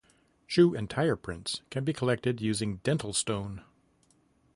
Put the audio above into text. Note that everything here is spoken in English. Shoe and tire prints can be collected using dental stone.